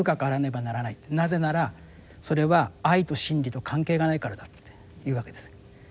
なぜならそれは愛と真理と関係がないからだ」って言うわけです。